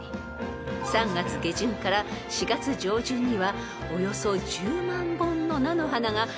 ［３月下旬から４月上旬にはおよそ１０万本の菜の花が斜面一帯を黄色に染め